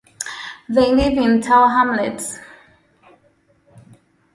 They live in Tower Hamlets.